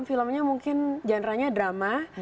filmnya mungkin genre nya drama